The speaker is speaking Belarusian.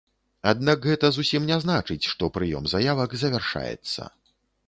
Аднак гэта зусім не значыць, што прыём заявак завяршаецца.